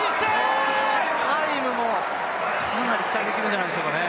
これはタイムもかなり期待できるんじゃないですかね。